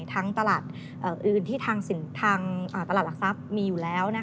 ทั้งตลาดอื่นที่ทางตลาดหลักทรัพย์มีอยู่แล้ว